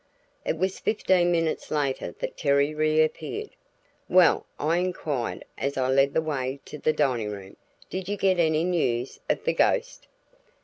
It was fifteen minutes later that Terry reappeared. "Well," I inquired as I led the way to the dining room, "did you get any news of the ghost?"